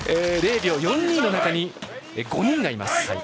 ０秒４２の中に５人います。